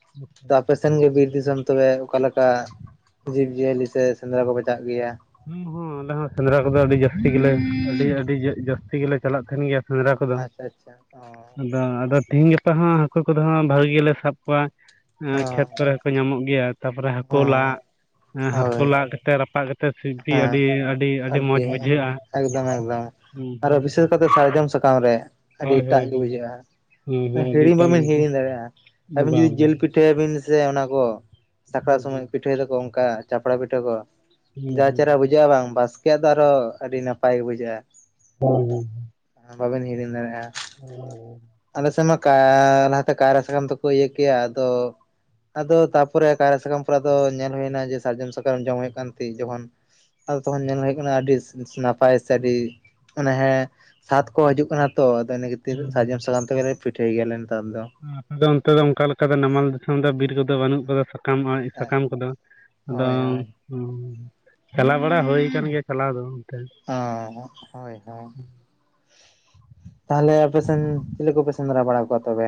[inaudible] ᱛᱚ ᱟᱯᱮ ᱥᱮᱱ ᱜᱮ ᱵᱤᱨ ᱫᱤᱥᱚᱢ ᱛᱚᱵᱮ ᱚᱠᱟᱞᱮᱠᱟ [inaudible] ᱡᱤᱵᱽ ᱡᱤᱭᱟᱹᱞᱤ ᱥᱮ ᱥᱮᱸᱫᱽᱨᱟ ᱠᱚ ᱪᱟᱜ ᱜᱮᱭᱟ ᱦᱩᱸ ᱦᱩᱸ ᱟᱞᱮ ᱦᱚᱸ ᱥᱮᱸᱫᱽᱨᱟ ᱠᱚᱫᱚ ᱟᱹᱰᱤ ᱡᱟᱹᱥᱛᱤ ᱜᱮᱞᱮ ᱟᱹᱰᱤ ᱟᱹᱰᱤ ᱡᱟᱹᱥᱛᱤ ᱜᱮᱞᱮ ᱪᱟᱞᱟᱜ ᱛᱟᱦᱮᱸᱱ ᱜᱮᱭᱟ ᱥᱮᱸᱫᱽᱨᱟ ᱠᱚᱫᱚ ᱟᱪᱪᱷᱟ ᱟᱪᱪᱷᱟ [inaudible] ᱚ ᱟᱫᱚ ᱟᱫᱚ ᱛᱤᱦᱤᱧ ᱜᱟᱯᱟ ᱦᱚᱸ ᱦᱟᱹᱠᱩ ᱠᱚᱫᱚ ᱵᱷᱟᱜᱤ ᱜᱮᱞᱮ ᱥᱟᱵ ᱠᱚᱣᱟ [inaudible] ᱠᱷᱮᱛ ᱠᱚᱨᱮ ᱦᱚᱸᱠᱚ ᱧᱟᱢᱚᱜ ᱜᱮᱭᱟ ᱛᱟᱨᱯᱚᱨᱮ ᱦᱟᱹᱠᱩ ᱦᱚᱸ ᱞᱟᱫ [inaudible] ᱦᱟᱹᱠᱩ ᱦᱳᱭ ᱞᱟᱜ ᱠᱟᱛᱮ ᱨᱟᱯᱟᱜ ᱠᱟᱛᱮ ᱥᱤᱯᱤ ᱟᱹᱰᱤ ᱟᱹᱰᱤ ᱟᱹᱰᱤ ᱟᱨᱠᱤ ᱢᱚᱸᱡᱽ ᱵᱩᱡᱷᱟᱹᱜᱼᱟ [inaudible] ᱮᱠᱫᱚᱢ ᱮᱠᱫᱚᱢ ᱦᱩᱸ ᱟᱨᱚ ᱦᱩᱸ ᱵᱤᱥᱮᱥ ᱠᱟᱛᱮ ᱥᱟᱨᱡᱚᱢ ᱥᱟᱠᱟᱢ ᱨᱮ ᱟᱹᱰᱤ ᱦᱳᱭ ᱦᱳᱭ ᱮᱴᱟᱜ ᱜᱮ ᱦᱳᱭ ᱦᱳᱭ ᱵᱩᱡᱷᱟᱹᱜᱼᱟ ᱦᱳᱭ ᱦᱤᱲᱤᱧ ᱟᱹᱰᱤᱴᱟᱜ ᱵᱟᱹᱵᱤᱱ ᱜᱮ ᱦᱤᱲᱤᱧ ᱫᱟᱲᱮᱜ-ᱟ᱾ ᱟᱹᱵᱤᱱ ᱡᱩᱫᱤ ᱵᱟᱝ ᱵᱟᱝ ᱡᱤᱞ ᱯᱤᱴᱷᱟᱹᱭᱟ ᱵᱤᱱ ᱥᱮ ᱚᱱᱟ ᱠᱚ ᱥᱟᱠᱨᱟᱛ ᱦᱩᱸ ᱥᱚᱢᱚᱭ ᱦᱩᱸ ᱯᱤᱼᱼ ᱯᱤᱴᱷᱟᱹᱭ ᱫᱟᱠᱚ ᱚᱱᱠᱟ ᱪᱟᱯᱲᱟ ᱯᱤᱴᱷᱟᱹ ᱠᱚ ᱦᱩᱸ ᱡᱟ ᱦᱩᱸ ᱦᱩᱸ ᱪᱮᱦᱨᱟ ᱵᱩᱡᱟᱹᱜ-ᱟ ᱵᱟᱝ ᱵᱟᱥ ᱠᱮ ᱭᱟᱜ ᱫᱚ ᱟᱨᱚ ᱟᱹᱰᱤ ᱱᱟᱯᱟᱭ ᱜᱮ ᱵᱩᱡᱷᱟᱹᱜ-ᱟ᱾ ᱦᱩᱸ ᱦᱩᱸ᱾ ᱦᱚᱸ ᱵᱟᱵᱤᱱ ᱦᱤᱲᱤᱧ ᱫᱟᱲᱮᱜ-ᱟ᱾ [unintelligible] ᱟᱞᱮ ᱥᱮᱱ ᱢᱟ ᱠᱟᱭ ᱞᱟᱦᱟ ᱛᱮ ᱠᱟᱭᱨᱟ ᱥᱟᱠᱟᱢ ᱛᱮᱠᱚ ᱤᱭᱟᱹ ᱠᱮᱭᱟ ᱟᱫᱚ ᱟᱫᱚ ᱛᱟᱨᱯᱚᱨᱮ ᱠᱟᱭᱨᱟ ᱥᱟᱠᱟᱢ ᱯᱚᱨᱮ ᱟᱫᱚ ᱧᱮᱞ ᱦᱚᱭ ᱱᱟ ᱡᱮ ᱥᱟᱨᱡᱚᱢ ᱥᱟᱠᱟᱢ ᱡᱚᱢ ᱦᱩᱭᱩᱜ ᱠᱟᱱ ᱛᱤ ᱡᱚᱠᱷᱚᱱᱼᱼ ᱟᱫᱚ ᱛᱚᱠᱷᱚᱱ ᱧᱮᱞ ᱦᱩᱭᱩᱜᱼᱼ ᱚᱱᱟ ᱟᱹᱰᱤᱥ ᱱᱟᱯᱟᱭ ᱥᱮ ᱟᱹᱰᱤ ᱢᱟᱱᱮ ᱦᱮᱸ ᱥᱟᱫᱽ ᱠᱚ ᱦᱤᱡᱩᱜ ᱠᱟᱱᱟ ᱛᱚ᱾ ᱛᱤᱱᱟᱹᱜ ᱦᱩᱸ ᱥᱟᱨᱡᱚᱢ ᱥᱟᱠᱟᱢ ᱛᱮᱜᱮ ᱞᱮ ᱯᱤᱴᱷᱟᱹᱭ ᱜᱮᱭᱟ ᱞᱮ ᱱᱮᱛᱟᱨ ᱫᱚ᱾ ᱟᱯᱮ ᱫᱚ ᱚᱱᱛᱮ ᱫᱚ ᱚᱱᱠᱟ ᱞᱮᱠᱟ ᱛᱮ ᱱᱟᱢᱟᱞ ᱫᱚ ᱫᱤᱥᱚᱢ ᱫᱚ ᱵᱤᱨ ᱠᱚᱫᱚ ᱵᱟᱱᱩᱜ ᱠᱟᱫᱟ ᱥᱟᱠᱟᱢ ᱚᱸᱭ ᱥᱟᱠᱟᱢ ᱠᱚᱫᱚ ᱦᱳᱭ ᱟᱫᱚᱝ ᱦᱳᱭ [unintelligible] ᱪᱟᱞᱟᱣ ᱵᱟᱲᱟ ᱦᱩᱭ ᱟᱠᱟᱱ ᱜᱮᱭᱟ ᱪᱟᱞᱟᱣ ᱫᱚ ᱚᱱᱛᱮ᱾ ᱟ. ᱦᱟᱸᱜ ᱦᱳᱭ ᱦᱳᱭ᱾ ᱛᱟᱦᱚᱞᱮ ᱟᱯᱮ ᱥᱮᱱ ᱪᱤᱞᱤ ᱠᱩᱯᱮ ᱥᱮᱸᱫᱽᱨᱟ ᱵᱟᱲᱟ ᱠᱚᱣᱟ ᱛᱚᱵᱮ?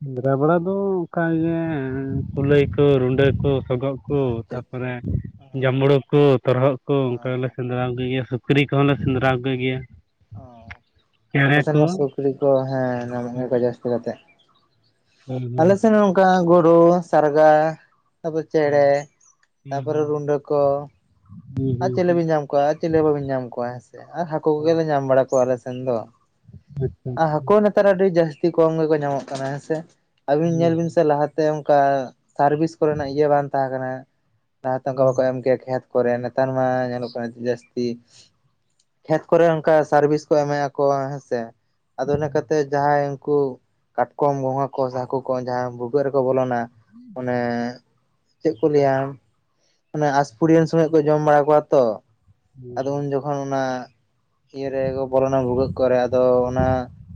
ᱥᱮᱸᱫᱽᱨᱟ ᱵᱟᱲᱟ ᱫᱚ ᱚᱱᱠᱟ ᱜᱮ ᱮᱸ ᱠᱩᱞᱟᱹᱭ ᱠᱚ ᱨᱩᱱᱰᱟᱹ ᱠᱚ ᱥᱚᱜᱚᱜᱼᱼ ᱠᱩ ᱟᱪᱪᱷᱟ ᱟᱪᱪᱷᱟ ᱛᱟᱨᱯᱚᱨᱮ ᱡᱟᱢᱵᱽᱲᱩ ᱠᱩ ᱛᱚᱨᱦᱚᱜ ᱠᱩ ᱚᱱᱠᱟ ᱞᱮ ᱥᱮᱸᱫᱽᱨᱟ ᱜᱮᱭᱟ ᱥᱩᱠᱼᱼ ᱥᱩᱠᱨᱤ ᱠᱚᱦᱚᱸᱞ ᱞᱮ ᱥᱮᱸᱫᱽᱨᱟ ᱠᱚ ᱜᱮᱭᱟ᱾ ᱚ ᱪᱮᱬᱮ ᱟᱯᱮ ᱥᱮᱱ ᱠᱚ ᱢᱟ ᱥᱩᱠᱨᱤ ᱠᱚ ᱦᱮᱸ ᱧᱟᱢᱚᱜ ᱦᱩᱸ ᱜᱮᱭᱟ ᱠᱚ ᱡᱟᱹᱥᱛᱤ ᱠᱟᱛᱮᱜ᱾ ᱦᱩᱸ ᱦᱩᱸ ᱟᱞᱮ ᱥᱮᱱ ᱚᱝᱠᱟ ᱜᱩᱰᱩ ᱥᱟᱨᱜᱟ ᱛᱟᱯᱚᱨᱮ ᱪᱮᱬᱮ ᱛᱟᱯᱚᱨᱮ ᱨᱩᱱᱰᱟᱹ ᱠᱚ᱾ ᱦᱩᱸ ᱟᱨ ᱦᱩᱸ ᱪᱤᱞᱤ ᱦᱩᱸ ᱵᱤᱱ ᱧᱟᱢ ᱠᱚᱣᱟ ᱟᱨ ᱪᱤᱞᱤ ᱦᱚᱸ ᱵᱟᱹᱵᱤᱱ ᱧᱟᱢ ᱠᱚᱣᱟ ᱦᱮᱸ ᱥᱮ ᱟᱨ ᱦᱟᱠᱚ ᱠᱚᱜᱮ ᱞᱮ ᱧᱟᱢ ᱵᱟᱲᱟ ᱠᱚᱣᱟ ᱟᱞᱮ ᱥᱮᱱ ᱫᱚ᱾ ᱟᱪᱪᱷᱟ ᱟᱨ ᱟᱪᱪᱷᱟ ᱦᱟᱠᱚ ᱱᱮᱛᱟᱨ ᱟᱹᱰᱤ ᱡᱟᱹᱥᱛᱤ ᱠᱚᱢ ᱜᱮᱠᱚ ᱧᱟᱢᱚᱜ ᱠᱟᱱᱟ ᱦᱮᱸ ᱥᱮ ᱦᱩᱸ ᱟᱹᱵᱤᱱ ᱧᱮᱞ ᱵᱤᱱ ᱥᱮ ᱞᱟᱦᱟᱼᱼ ᱛᱮ ᱚᱱᱠᱟ ᱥᱟᱨᱵᱤᱥ ᱠᱚᱨᱮ ᱱᱟᱜ ᱤᱭᱟᱹ ᱵᱟᱝ ᱛᱟᱦᱮᱸ ᱠᱟᱱᱟ, ᱞᱟᱦᱟ ᱛᱮ ᱦᱩᱸ ᱚᱱᱠᱟ ᱦᱩᱸ ᱵᱟᱠᱚ ᱮᱢ ᱠᱮᱭᱟ ᱠᱷᱮᱛ ᱠᱚᱨᱮ ᱱᱮᱛᱟᱨ ᱢᱟ ᱧᱮᱞᱚᱜ ᱠᱟᱱᱟ ᱡᱟᱹᱥᱛᱤ᱾ ᱠᱷᱮᱛ ᱠᱚᱨᱮ ᱚᱱᱠᱟ ᱥᱟᱨᱵᱤᱥ ᱠᱚ ᱮᱢᱮᱭᱟ ᱠᱚ ᱦᱮᱸ ᱥᱮ᱾ ᱟᱫᱚ ᱤᱱᱟᱹ ᱠᱟᱛᱮ ᱡᱟᱦᱟᱸᱭ ᱩᱱᱠᱩᱼᱼ ᱠᱟᱴᱠᱚᱢ ᱜᱚᱝᱜᱷᱟ ᱠᱚ ᱥᱮ ᱦᱟᱠᱚ ᱠᱚ ᱡᱟᱦᱟᱸᱭ ᱵᱷᱩᱜᱟᱹᱜ ᱨᱮᱠᱚ ᱵᱚᱞᱚᱱᱟ᱾ ᱚᱱᱮᱼᱼ ᱪᱮᱜ ᱠᱚ ᱞᱟᱹᱭᱟ ᱚᱱᱮ ᱟᱥᱯᱷᱩᱲᱤᱭᱟᱹ ᱥᱚᱢᱚᱭ ᱠᱚ ᱡᱚᱢ ᱵᱟᱲᱟ ᱠᱚᱣᱟ ᱛᱚ᱾ ᱟᱫᱚ ᱦᱩᱸ ᱩᱱ ᱡᱚᱠ ᱠᱷᱚᱱ ᱚᱱᱟ ᱤᱭᱟᱹ ᱨᱮᱠᱚ ᱵᱚᱞᱚᱱᱟ ᱵᱷᱩᱜᱟᱹᱜ ᱠᱚᱨᱮ, ᱟᱫᱚ ᱦᱩᱸ ᱚᱱᱟ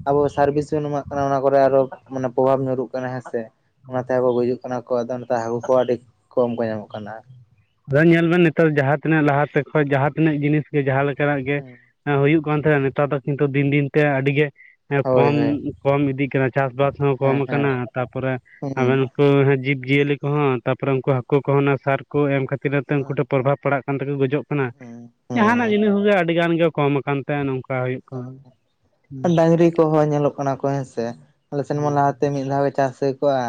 ᱟᱵᱚ ᱥᱟᱨᱵᱤᱥ ᱵᱚᱱ ᱮᱢᱟᱜ ᱠᱟᱱᱟ᱾ ᱚᱱᱟᱼᱼ ᱠᱚᱨᱮ ᱟᱨᱚ ᱢᱟᱱᱮ ᱯᱨᱚᱵᱷᱟᱵᱽ ᱧᱩᱨᱩᱜ ᱠᱟᱱᱟ ᱦᱮᱸ ᱥᱮ, ᱚᱱᱟᱛᱮ ᱟᱵᱚ ᱦᱚᱸᱵᱚ ᱜᱩᱡᱩᱜ ᱠᱟᱱᱟ᱾ ᱠᱚ ᱫᱚ ᱱᱮᱛᱟᱨ ᱦᱟᱠᱩ ᱠᱚ ᱟᱹᱰᱤ ᱠᱚᱢ ᱠᱚ ᱧᱟᱢᱚᱜ ᱠᱟᱱᱟ᱾ ᱟᱫᱚ ᱧᱮᱞ ᱵᱮᱱ ᱱᱤᱛᱟᱨ ᱡᱟᱦᱟᱸ ᱛᱤᱱᱟᱹᱜ ᱞᱟᱦᱟ ᱛᱮ ᱠᱷᱚᱡ ᱡᱟᱦᱟᱸ ᱛᱤᱱᱟᱹᱜ ᱡᱤᱱᱤᱥ ᱜᱮ ᱡᱟᱦᱟᱸ ᱞᱮᱠᱟ ᱱᱟᱜ ᱜᱮ ᱟᱸ ᱦᱩᱭᱩᱜ ᱠᱟᱱ ᱛᱟᱦᱮᱸᱱ ᱱᱤᱛᱟᱨ ᱫᱚ ᱠᱤᱱᱛᱩ ᱫᱤᱱ ᱫᱤᱱ ᱛᱮ ᱟᱹᱰᱤ ᱜᱮ ᱮᱸ ᱦᱳᱭ ᱠᱚᱢ ᱦᱳᱭ ᱠᱚᱢ ᱤᱫᱤᱜ ᱠᱟᱱᱟ, ᱪᱟᱥ ᱵᱟᱥ ᱦᱚᱸ ᱦᱮᱸ ᱠᱚᱢ ᱦᱮᱸ ᱟᱠᱟᱱᱟ᱾ ᱛᱟᱯᱚᱨᱮ ᱦᱩᱸ ᱟᱵᱮᱱ ᱠᱩ ᱦᱮᱸ ᱡᱤᱵᱽ ᱡᱤᱭᱟᱹᱞᱤ ᱠᱚᱦᱚᱸ ᱛᱟᱯᱚᱨᱮ ᱩᱱᱠᱩ ᱦᱟᱠᱩ ᱠᱚᱦᱚᱸ ᱱᱟᱜ ᱥᱟᱨ ᱠᱚ ᱮᱢ ᱠᱷᱟᱹᱛᱤᱨ ᱟᱛᱮᱱ ᱩᱱᱠᱩ ᱴᱷᱮᱱ ᱯᱨᱚᱵᱷᱟᱵᱽ ᱯᱟᱲᱟᱜ ᱟᱱ ᱛᱮᱠᱩ ᱜᱚᱡᱚᱜ ᱠᱟᱱᱟ, ᱦᱩᱸ ᱡᱟᱦᱟᱸ ᱱᱟᱜ ᱡᱤᱱᱤᱥ ᱜᱮ ᱟᱹᱰᱤ ᱜᱟᱱ ᱜᱮ ᱠᱚᱢ ᱟᱠᱟᱱ ᱛᱮ ᱱᱚᱝᱠᱟ ᱦᱩᱭᱩᱜ ᱠᱟᱱᱟ ᱦᱩᱸ [unintelligible] ᱰᱟᱝᱨᱤ ᱠᱚᱦᱚᱸ ᱧᱮᱞᱚᱜ ᱠᱟᱱᱟ ᱠᱚ ᱦᱮᱸ ᱥᱮ᱾ ᱟᱞᱮ ᱥᱮᱱ ᱢᱟ ᱦᱩᱸ ᱞᱟᱦᱟ ᱛᱮ ᱢᱤᱫ ᱫᱷᱟᱣ ᱜᱮ ᱪᱟᱥ ᱦᱩᱭ ᱠᱚᱜ-ᱟ,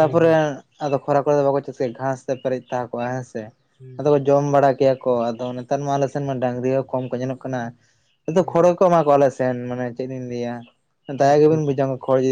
ᱦᱮᱸ ᱦᱮᱸ ᱟᱫᱚ ᱠᱷᱚᱨᱟ ᱠᱚᱨᱮ ᱫᱚ ᱵᱟᱠᱚ ᱪᱟᱥ ᱠᱮᱭᱟ, ᱜᱷᱟᱸᱥ ᱛᱮ ᱯᱮᱨᱮᱡ ᱛᱟᱦᱮᱸ ᱠᱚᱜ-ᱟ ᱦᱮᱸ ᱥᱮ᱾ ᱦᱮᱸ ᱟᱫᱚᱼᱼ ᱡᱚᱢ ᱵᱟᱲᱟ ᱠᱮᱭᱟ ᱠᱚ, ᱟᱫᱚ ᱱᱮᱛᱟᱨ ᱢᱟ ᱟᱞᱮ ᱥᱮᱱ ᱢᱟ ᱰᱟᱹᱝᱨᱤ ᱦᱚᱸ ᱠᱚᱢ ᱠᱚ ᱧᱮᱞᱚᱜ ᱠᱟᱱᱟ᱾ ᱟᱫᱚ ᱦᱮᱸ ᱠᱷᱚᱲ ᱜᱮ ᱠᱚ ᱮᱢᱟ ᱠᱚᱣᱟ ᱟᱞᱮ ᱥᱮᱱ, ᱢᱟᱱᱮ ᱪᱮᱜ ᱞᱤᱧ ᱞᱟᱹᱭᱟ ᱫᱟᱭᱟ ᱟᱪᱪᱷᱟ ᱜᱮᱵᱤᱱ ᱵᱩᱡᱷᱟᱹᱣᱟ᱾ ᱠᱷᱚᱲ ᱡᱤ